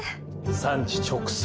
産地直送。